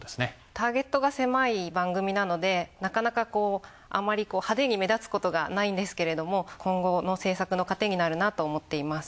ターゲットが狭い番組なのでなかなかこうあまり派手に目立つことがないんですけれども今後の制作の糧になるなと思っています。